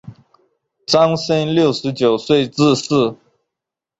张升六十九岁致仕。